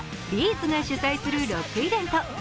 ’ｚが主催するロックイベント。